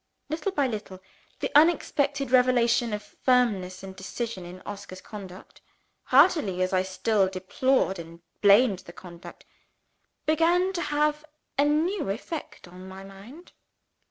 Little by little, the unexpected revelation of firmness and decision in Oscar's conduct heartily as I still deplored and blamed that conduct began to have a new effect on my mind.